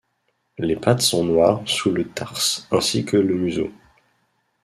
Les pattes sont noires sous le tarse ainsi que le museau.